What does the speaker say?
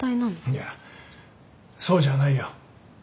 いやそうじゃないよ。